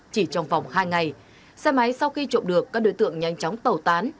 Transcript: chỉ trong vòng hai ngày xe máy sau khi trộm được các đối tượng nhanh chóng tẩu tán